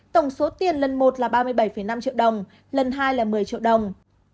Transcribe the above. tổng số tiền lần một là ba mươi bảy năm triệu đồng lần hai là một mươi triệu đồng